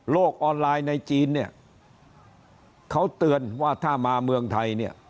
ออนไลน์ในจีนเนี่ยเขาเตือนว่าถ้ามาเมืองไทยเนี่ย